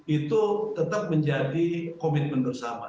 itu tetap menjadi komitmen bersama